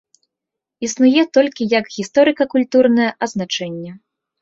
Існуе толькі як гісторыка-культурнае азначэнне.